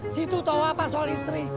situ tahu apa soal istri